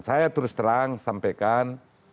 saya terus terang sampaikan